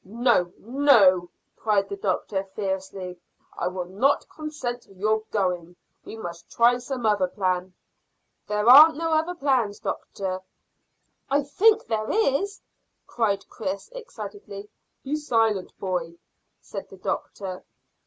"No, no," cried the doctor fiercely. "I will not consent to your going. We must try some other plan." "There aren't no other plan, doctor." "I think there is," cried Chris excitedly. "Be silent, boy!" said the doctor.